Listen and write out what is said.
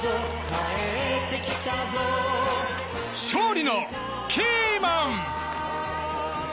勝利のキーマン！